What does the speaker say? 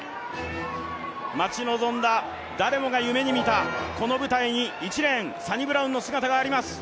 待ち望んだ誰もが夢に見たこの舞台に１レーン、サニブラウンの姿があります。